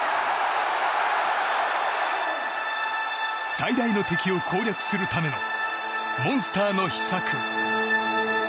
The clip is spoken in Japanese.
最大の敵を攻略するためのモンスターの秘策。